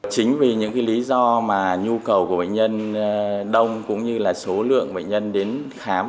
chính vì những lý do mà nhu cầu của bệnh nhân đông cũng như là số lượng bệnh nhân đến khám